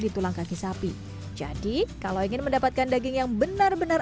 di tulang kaki sapi jadi kalau ingin mendapatkan daging yang benar benar